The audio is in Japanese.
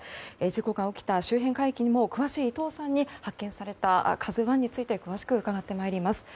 事故が起きた周辺海域にも詳しい伊藤さんに発見された「ＫＡＺＵ１」について詳しく伺ってまいります。